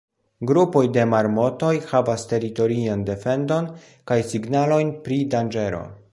Grupoj de marmotoj havas teritorian defendon kaj signalojn pri danĝero.